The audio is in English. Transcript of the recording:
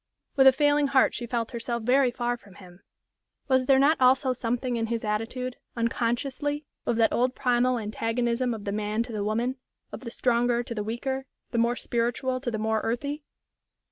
With a failing heart she felt herself very far from him. Was there not also something in his attitude, unconsciously, of that old primal antagonism of the man to the woman, of the stronger to the weaker, the more spiritual to the more earthy?